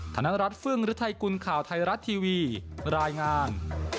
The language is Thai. ธนรัฐฟื้องหรือไทกุณข่าวไทยรัฐทีวีรายงาน